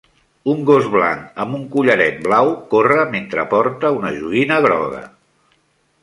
Un gos blanc amb un collaret blau corre mentre porta una joguina groga.